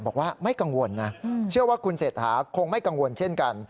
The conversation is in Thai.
บอกว่าไม่กังวลนะเชื่อว่าคุณเศรษฐาคงไม่กังวลเช่นกัน